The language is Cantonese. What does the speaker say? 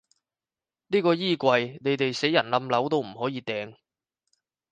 呢個衣櫃，你哋死人冧樓都唔可以掟